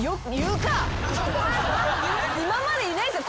今までいないですよ